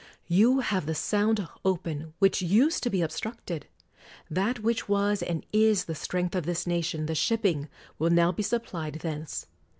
You have the Sound open; which used to be ob structed. That which was and is the strength of this nation, the shipping, will now be sup plied thence.